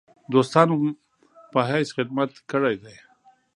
دوستانو په حیث خدمت کړی دی.